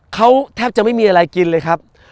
เขาแทบจะไม่มีอะไรกินเลยครับ